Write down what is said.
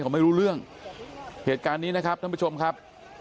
เขาไม่รู้เรื่องเหตุการณ์นี้นะครับท่านผู้ชมครับ